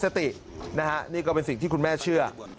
สตินะฮะนี่ก็เป็นสิ่งที่คุณแม่เชื่อ